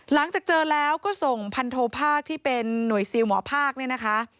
หลังจากเจอแล้วก็ส่งพันโทภาคที่เป็นหน่วยซิลหมอภาคเนี่ยนะคะ